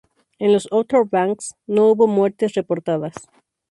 En los Outer Banks, no hubo muertes reportadas.